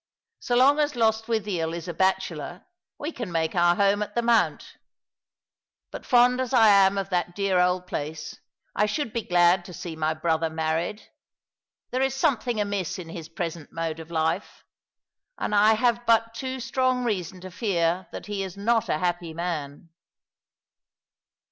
So long as Lostwithiel is a bachelor, we can make our home at the Mount ; but fond as I am of that dear old place, I should be glad to see my brother married. There is some thing amiss in his present mode of life ; and I have but too strong reason to fear that he is not a happy man."